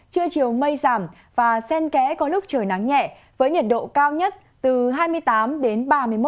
trưa chiều mây giảm và sen kẽ có lúc trời nắng nhẹ với nhiệt độ cao nhất từ hai mươi tám đến ba mươi một độ